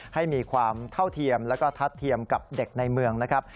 ให้มีความเท่าเทียมแล้วก็ทัดเทียมกับเด็กในเมืองนะครับ